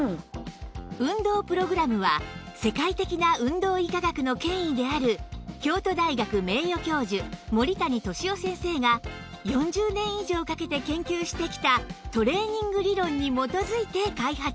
運動プログラムは世界的な運動医科学の権威である京都大学名誉教授森谷敏夫先生が４０年以上かけて研究してきたトレーニング理論に基づいて開発